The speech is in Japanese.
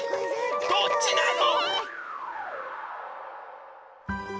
どっちなの！